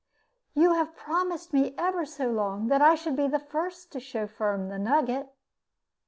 "You have promised me ever so long that I should be the first to show Firm the nugget."